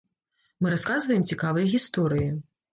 Мы расказваем цікавыя гісторыі.